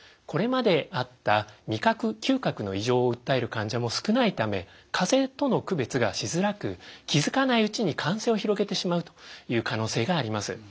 これまであった味覚・嗅覚の異常を訴える患者も少ないため風邪との区別がしづらく気付かないうちに感染を広げてしまうという可能性があります。